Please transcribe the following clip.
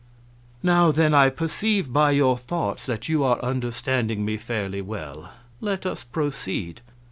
"Now, then, I perceive by your thoughts that you are understanding me fairly well. Let us proceed.